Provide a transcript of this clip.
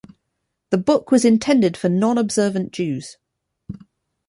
The book was intended for nonobservant Jews.